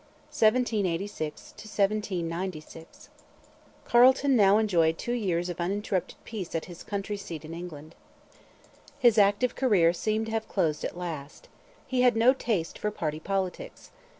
CHAPTER IX FOUNDING MODERN CANADA 1786 1796 Carleton now enjoyed two years of uninterrupted peace at his country seat in England. His active career seemed to have closed at last. He had no taste for party politics.